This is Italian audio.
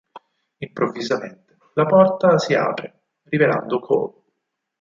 Improvvisamente la porta si apre, rivelando Call.